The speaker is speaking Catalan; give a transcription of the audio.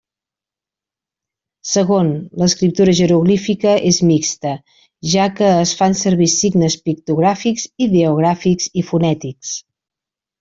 Segon, l'escriptura jeroglífica és mixta, ja que es fan servir signes pictogràfics, ideogràfics i fonètics.